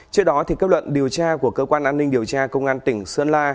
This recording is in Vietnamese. trước đó kết luận điều tra của cơ quan an ninh điều tra công an tỉnh sơn la